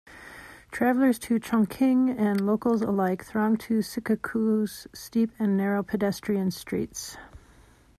Travelers to Chongqing and locals alike throng to Ciqikou's steep and narrow pedestrian streets.